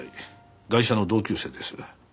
ガイシャの同級生です。